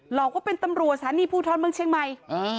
หลอกว่าเป็นตำรวจสถานีภูทรเมืองเชียงใหม่